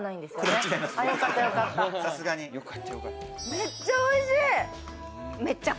めっちゃおいしい！